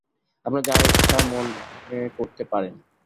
আপনার যা ইচ্ছা মনে করতে পারেন।